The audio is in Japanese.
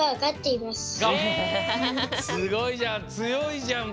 すごいじゃん！